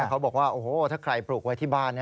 เขาบอกว่าโอ้โหถ้าใครปลูกไว้ที่บ้าน